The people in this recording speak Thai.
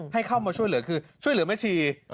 ให้เข้ามาช่วยเหลือคือช่วยเหลือแม่ชี